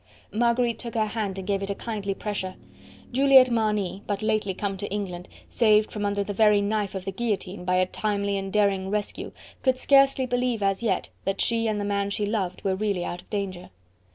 Marguerite took her hand and gave it a kindly pressure. Juliette Marny, but lately come to England, saved from under the very knife of the guillotine, by a timely and daring rescue, could scarcely believe as yet that she and the man she loved were really out of danger.